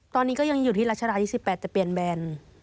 ตอนนี้ก็ยังอยู่ที่รัชดา๒๘จะเปลี่ยนแบรนด์